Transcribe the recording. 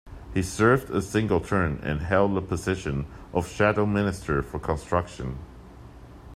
He served a single term and held the position of Shadow Minister for Construction.